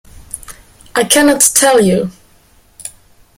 I cannot tell you.